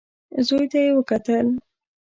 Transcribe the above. زوی ته يې وکتل.